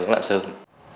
hướng lạng sơn